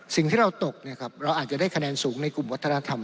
สิ่งที่เราตกเราอาจจะได้คะแนนสูงในกลุ่มวัฒนธรรม